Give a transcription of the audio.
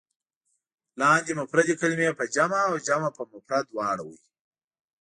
لاندې مفردې کلمې په جمع او جمع په مفرد راوړئ.